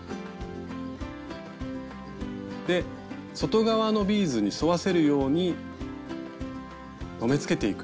で外側のビーズに沿わせるように留めつけていく。